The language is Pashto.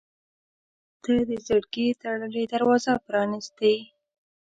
• ته د زړګي تړلې دروازه پرانستې.